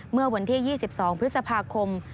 เมื่อวันที่๒๒พฤษภาคม